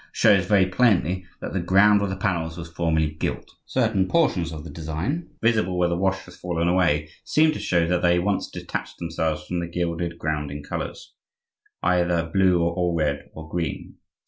shows very plainly that the ground of the panels was formerly gilt. Certain portions of the design, visible where the wash has fallen away, seem to show that they once detached themselves from the gilded ground in colors, either blue, or red, or green.